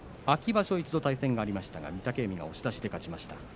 秋場所、一度対戦がありましたが御嶽海が押し出しで勝ちました。